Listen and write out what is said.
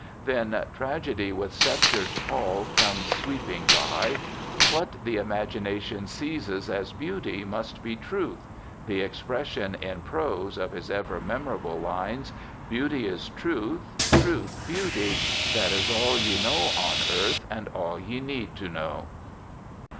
Then "Tragedy with scepter'd pall comes sweeping by",' ' What the imagination seizes as beauty must be truth '— the expression in prose of his ever memorable lines. Beauty is truth, truth beauty,— that is all Ye know on Earth, and all ye need to know.